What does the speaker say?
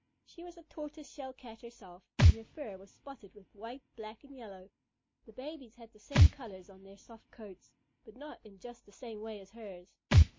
She was a Tortoise shell Cat herself, and her fur was spotted with white, black, and yellow. The babies had the same colors on their soft coats, but not in just the same way as hers.